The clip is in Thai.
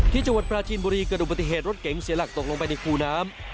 ที่จังหวัดปราจีนบุรีเกิดอุบัติเหตุรถเก๋งเสียหลักตกลงไปในคูน้ำ